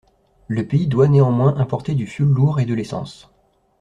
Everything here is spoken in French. Le pays doit néanmoins importer du fioul lourd et de l'essence.